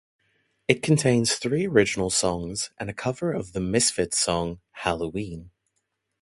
It contains three original songs and a cover of the Misfits song "Halloween".